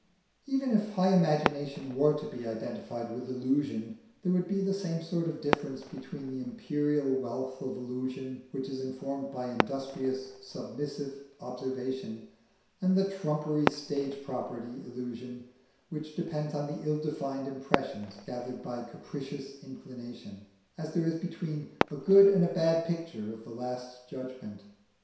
Even if high imagination were to be identified with illusion, there would be the same sort of difference between the imperial wealth of illusion which is informed by industrious submissive observation and the trumpery stage property illusion which depends on the ill defined impressions gathered by capricious inclination, as there is between a good and a bad picture of the Last Judgment.